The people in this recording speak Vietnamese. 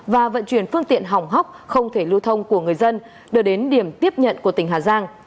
và vận chuyển phương tiện hỏng hóc không thể lưu thông của người dân đưa đến điểm tiếp nhận của tỉnh hà giang